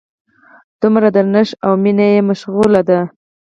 دومره درنښت او مینه یې مشغله ده.